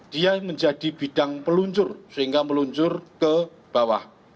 dia menjadi bidang peluncur sehingga meluncur ke bawah